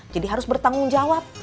jadi harus bertanggung jawab